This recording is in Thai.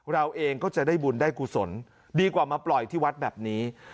เราก็จะได้บุญได้กุศลดีกว่ามาปล่อยที่วัดแบบนี้